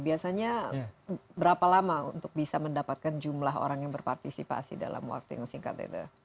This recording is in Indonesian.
biasanya berapa lama untuk bisa mendapatkan jumlah orang yang berpartisipasi dalam waktu yang singkat itu